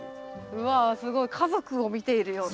うわすごい家族を見ているような。